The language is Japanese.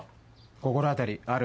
心当たりある？